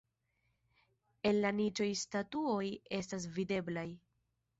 En la niĉoj statuoj estas videblaj.